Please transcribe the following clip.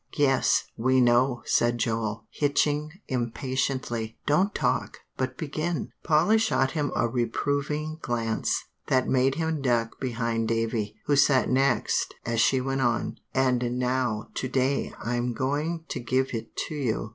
"Yes, we know," said Joel, hitching impatiently. "Don't talk, but begin." Polly shot him a reproving glance that made him duck behind Davie, who sat next, as she went on, "And now to day I'm going to give it to you.